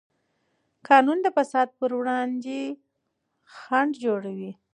قانون د فساد پر وړاندې خنډ جوړوي.